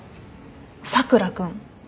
佐倉君。